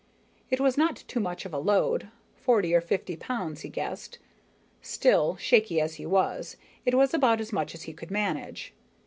It was not too much of a load, forty or fifty pounds he guessed. Still, shaky as he was, it was about as much as he could manage.